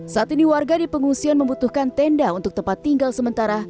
saat ini warga di pengungsian membutuhkan tenda untuk tempat tinggal sementara